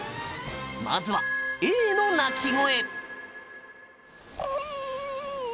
まずはＡの鳴き声。